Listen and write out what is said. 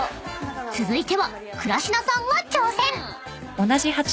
［続いては倉科さんが挑戦］